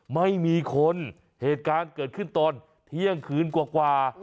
ไม่มีคนเหตุการณ์เกิดขึ้นตอนเที่ยงคืนกว่า